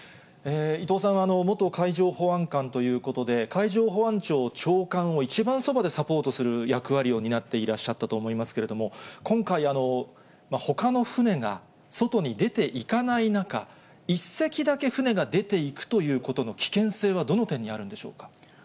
伊藤さんは元海上保安官ということで、海上保安庁長官を一番そばでサポートする役割を担っていらっしゃったと思いますけれども、今回、ほかの船が、外に出ていかない中、１隻だけ船が出ていくということの危険性はどの点にあるんでしょうか。